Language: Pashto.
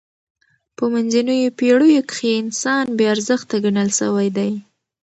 به منځنیو پېړیو کښي انسان بې ارزښته ګڼل سوی دئ.